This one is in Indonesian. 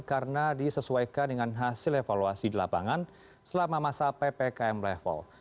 karena disesuaikan dengan hasil evaluasi di lapangan selama masa ppkm level